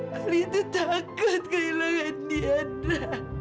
hal itu takkan kehilangan tiandra